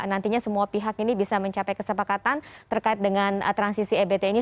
nantinya semua pihak ini bisa mencapai kesepakatan terkait dengan transisi ebt ini